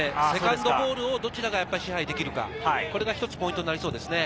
セカンドボールをどちらが支配できるか、これが一つポイントになりそうです。